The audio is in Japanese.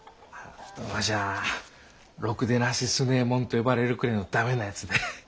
わしゃあろくでなし強右衛門と呼ばれるくれえの駄目なやつで。